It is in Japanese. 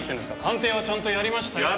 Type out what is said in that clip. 鑑定はちゃんとやりましたよ。